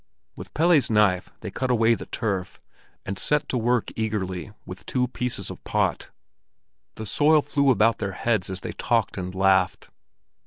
With Pelle's knife they cut away the turf, and set to work eagerly to dig with two pieces of pot. The soil flew about their heads as they talked and laughed.